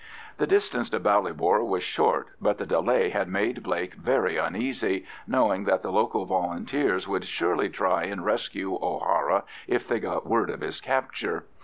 The distance to Ballybor was short, but the delay had made Blake very uneasy, knowing that the local Volunteers would surely try and rescue O'Hara if they got word of his capture.